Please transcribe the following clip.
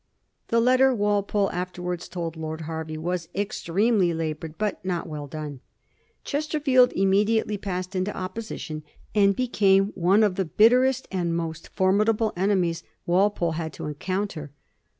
The letter, Walpole afterwards told Lord Hervey, was " extremely labored but not well done." Chesterfield immediately passed into opposition, and became one of the bitterest and most formidable enemies Walpole had to encounter.